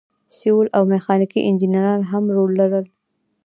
سیول او میخانیکي انجینران هم رول لري.